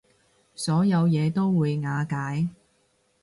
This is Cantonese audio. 所有嘢就會瓦解